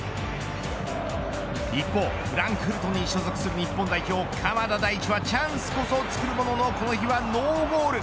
一方フランクフルトに所属する日本代表、鎌田大地はチャンスこそ作るもののこの日はノーゴール。